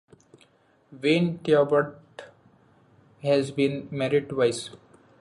Wayne Thiebaud has been married twice.